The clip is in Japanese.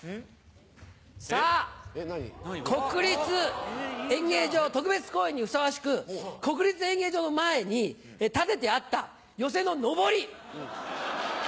さぁ国立演芸場特別公演にふさわしく国立演芸場の前に立ててあった寄席ののぼり。